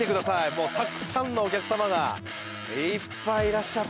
もうたくさんのお客様がいっぱいいらっしゃってます。